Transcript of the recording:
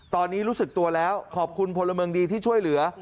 ตอนนี้รู้สึกตัวแล้วขอบคุณพลเมืองดีที่ช่วยเหลือ